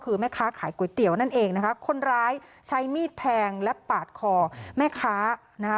คือแม่ค้าขายก๋วยเตี๋ยวนั่นเองนะคะคนร้ายใช้มีดแทงและปาดคอแม่ค้านะคะ